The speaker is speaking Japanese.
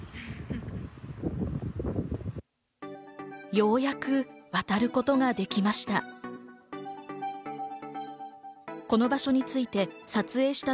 ようやく渡ることができました。